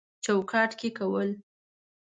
چوکاټ کې کول